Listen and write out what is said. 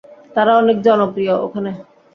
তারা অনেক জনপ্রিয় ওখানে।